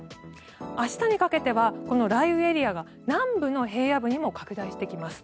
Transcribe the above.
明日にかけてはこの雷雨エリアが南部の平野部にも拡大してきます。